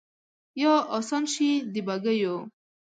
یا آسان شي د بګیو